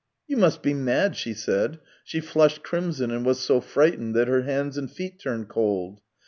" You must be mad !" she said; she flushed crimson and was so frightened that her hands and feet turned cold.